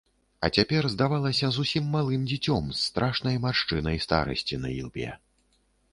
А цяпер здавалася зусім малым дзіцем, з страшнай маршчынай старасці на ілбе.